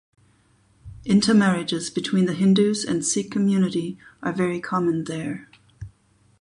Intermarriages between the Hindus and Sikh community are very common there.